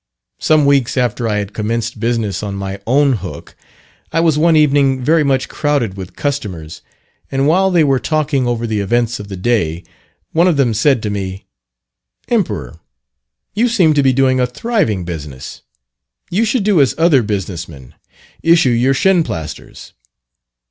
Some weeks after I had commenced business on my "own hook," I was one evening very much crowded with customers; and while they were talking over the events of the day, one of them said to me, "Emperor, you seem to be doing a thriving business. You should do as other business men, issue your Shinplasters."